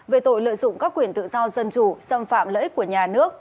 về tội lợi dụng các quyền tự do dân chủ xâm phạm lợi ích của nhà nước